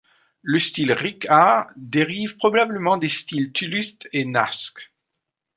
Le style riq'ah dérive probablement des styles thuluth et naskh.